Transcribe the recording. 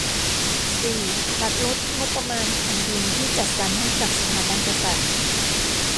สี่ ตัดลดงบประมาณแผ่นดินที่จัดสรรให้กับสถาบันกษัตริย์